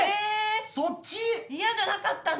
そっち⁉嫌じゃなかったんだ！